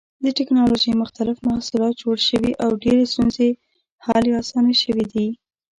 د ټېکنالوجۍ مختلف محصولات جوړ شوي او ډېرې ستونزې حل یا اسانې شوې دي.